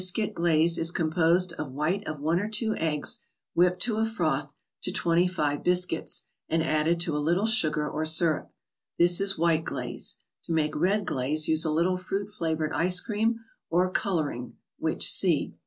cuit Glaze is composed of white of one or two eggs, whipped to a froth, to twenty five biscuits , and added to a little sugar or syrup. This is White Glaze. To make Red Glaze use a little fruit flavored ice cream or " Coloring," which see.